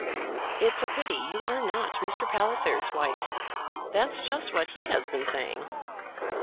"It's a pity you are not Mr. Palliser's wife. That's just what he has been saying."